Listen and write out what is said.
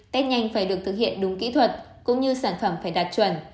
test nhanh phải được thực hiện đúng kỹ thuật cũng như sản phẩm phải đạt chuẩn